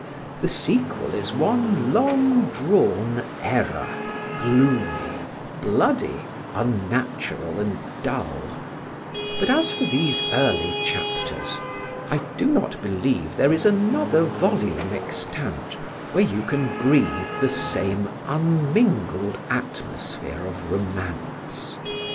The sequel is one long drawn error, gloomy, bloody, unnatural and dull; but as for these early chapters, I do not believe there is another volume extant where you can breathe the same unmingled atmosphere of romance.